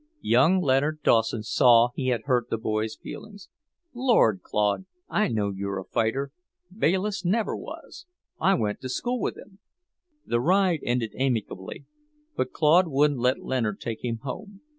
Young Leonard Dawson saw he had hurt the boy's feelings. "Lord, Claude, I know you're a fighter. Bayliss never was. I went to school with him." The ride ended amicably, but Claude wouldn't let Leonard take him home.